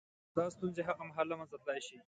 • دا ستونزې هغه مهال له منځه تلای شي.